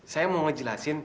saya mau ngejelasin